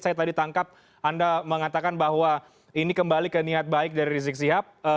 saya tadi tangkap anda mengatakan bahwa ini kembali ke niat baik dari rizik sihab